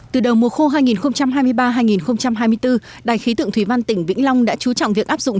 từ đầu mùa khô hai nghìn hai mươi ba hai nghìn hai mươi bốn đài khí tượng thủy văn tỉnh vĩnh long đã chú trọng việc áp dụng